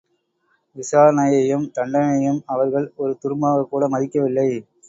விசாரணையையும் தண்டனையையும் அவர்கள் ஒரு துரும்பாகக்கூட மதிக்கவில்லை.